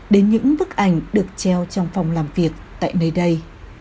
đến những bức ảnh được treo trong phòng làm việc tại nơi đây